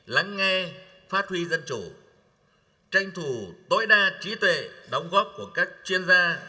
lắng nghe phát huy dân chủ tranh thủ tối đa trí tuệ đóng góp của các chuyên gia